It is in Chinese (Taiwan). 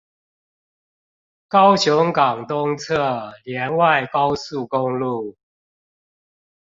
高雄港東側聯外高速公路